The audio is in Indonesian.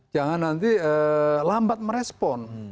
jangan nanti lambat merespon